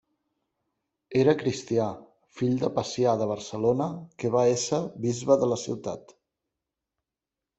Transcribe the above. Era cristià, fill de Pacià de Barcelona, que va ésser bisbe de la ciutat.